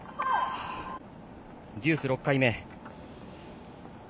デュース、６回目。